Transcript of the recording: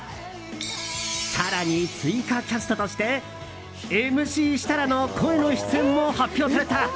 更に追加キャストとしてＭＣ設楽の声の出演も発表された。